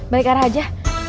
balik arah aja